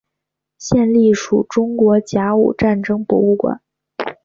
现隶属中国甲午战争博物馆。